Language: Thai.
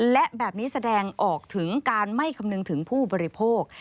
และแบบนี้แสดงออกถึงการไม่คำนึงถึงผู้บริโภค